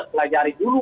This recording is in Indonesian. urusan pelajari dulu